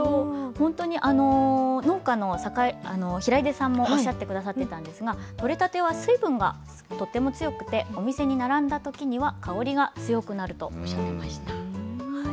本当に農家の平出さんもおっしゃってくださっていたんですが、取れたては水分がとても強くて、お店に並んだときには香りが強くなるとおっしゃっていました。